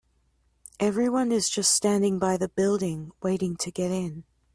Everyone is just standing by the building, waiting to get in.